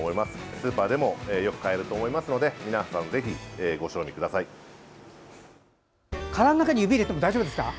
スーパーでもよく買えると思いますので皆さん、ぜひご賞味ください。からの中に中に指を入れて大丈夫なんですか？